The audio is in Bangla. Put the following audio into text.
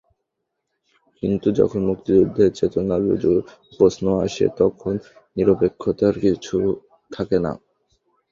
কিন্তু যখন মুক্তিযুদ্ধের চেতনার প্রশ্ন আসে, তখন নিরপেক্ষতার কিছু থাকে না।